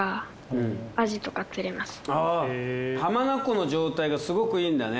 浜名湖の状態がすごくいいんだね。